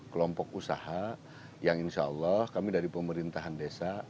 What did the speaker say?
kelompok usaha yang insya allah kami dari pemerintahan desa